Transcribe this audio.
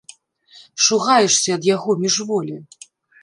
Шугаешся ад яго міжволі.